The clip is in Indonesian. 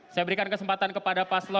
saya berikan kesempatan kepada paslon